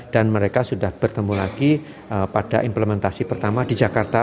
mereka sudah bertemu lagi pada implementasi pertama di jakarta